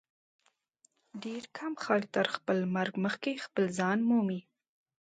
ډېر کم خلک تر خپل مرګ مخکي خپل ځان مومي.